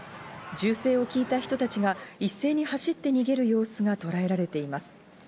銃声を聞いた人たちが一斉に走って逃げる様子がとらえられています。